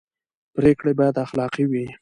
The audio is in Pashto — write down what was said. پرېکړې باید اخلاقي وي